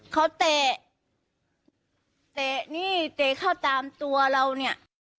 เขาเตะเตะนี่เตะเข้าตามตัวเราเนี่ย